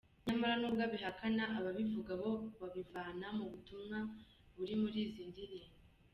Nyamara n’ubwo abihakana ababivuga bo babivana mu butumwa buri muri izi ndirimbo.